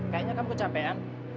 kayaknya kamu kecapean